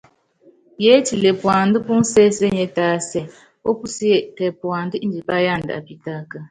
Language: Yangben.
Yiétile puandá púnsésenie tásɛ ópusíé tɛ puandá indipá yanda apítáka.